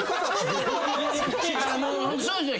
もうそうですね